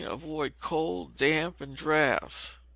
Avoid cold, damp, and draughts.